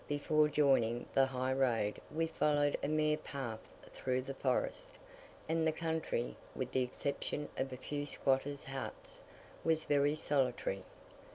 Before joining the highroad we followed a mere path through the forest; and the country, with the exception of a few squatters' huts, was very solitary.